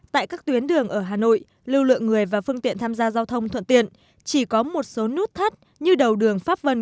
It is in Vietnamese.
tại các tuyến đường ở hà nội lưu lượng người và phương tiện tham gia giao thông thuận tiện chỉ có một số nút thắt như đầu đường pháp vân